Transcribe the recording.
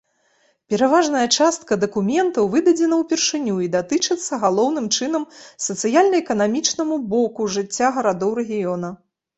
Пераважная частка дакументаў выдадзена ўпершыню і датычыцца галоўным чынам сацыяльна-эканамічнаму боку жыцця гарадоў рэгіёна.